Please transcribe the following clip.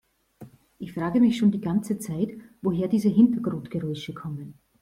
Ich frage mich schon die ganze Zeit, woher diese Hintergrundgeräusche kommen.